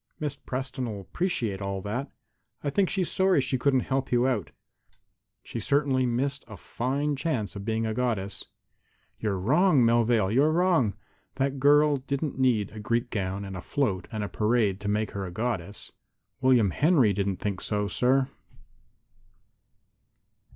"Miss Preston'll appreciate all that. I think she's sorry she couldn't help you out. She has certainly missed a fine chance of being a goddess." "You're wrong, Melvale; you're wrong! That girl doesn't need a Greek gown and a float and a parade to make her a goddess." "William Henry don't think so, sir."